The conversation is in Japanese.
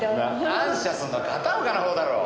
感謝するのは片岡のほうだろう。